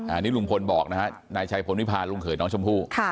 อันนี้ลุงพลบอกนะฮะนายชัยพลวิพาลลุงเขยน้องชมพู่